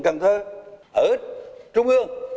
cần thơ ở trung ương